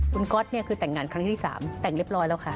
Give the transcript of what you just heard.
คุณก๊อตเนี่ยคือแต่งงานครั้งที่๓แต่งเรียบร้อยแล้วค่ะ